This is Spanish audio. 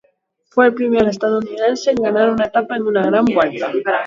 Fue el primer estadounidense en ganar una etapa en una gran vuelta.